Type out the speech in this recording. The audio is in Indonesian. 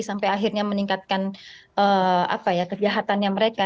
sampai akhirnya meningkatkan kejahatannya mereka